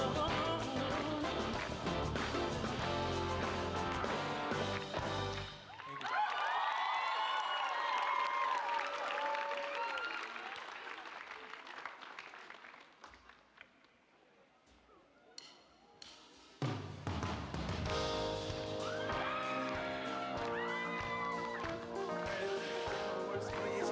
sampai ketemu lagi